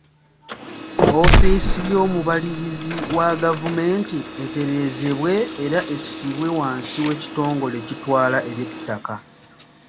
Ofiisi y’omubalirizi wa gavumenti etereezebwe era essibwe wansi w’ekitongole ekitwala eby'ettaka.